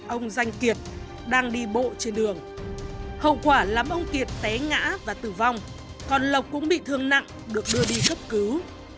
ông danh kiệt đang đi bộ trên đường hậu quả làm ông kiệt té ngã và tử vong còn lộc cũng bị thương nặng được đưa đi cấp cứu